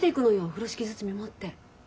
風呂敷包み持って。